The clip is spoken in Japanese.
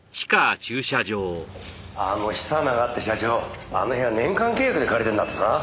あの久永って社長あの部屋年間契約で借りてるんだってさ。